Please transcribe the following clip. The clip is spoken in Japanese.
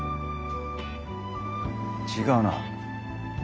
違うな。